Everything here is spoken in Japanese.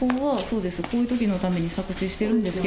こういうときのためにですよね。